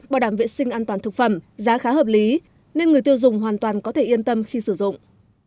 bảo đảm vệ sinh an toàn thực phẩm giá khá hợp lý nên người tiêu dùng hoàn toàn có thể yên tâm khi sử dụng